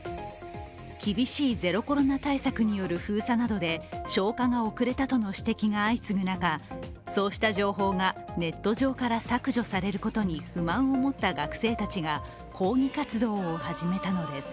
厳しいゼロコロナ対策による封鎖などで、消火が遅れたとの指摘が相次ぐ中そうした情報がネット上から削除されることに不満を持った学生たちが抗議活動を始めたのです。